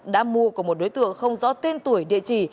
đã mua của một đối tượng không rõ tên tuổi địa chỉ